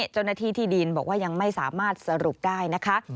เจ้าหน้าที่ที่ดินบอกว่ายังไม่สามารถสรุปได้นะคะ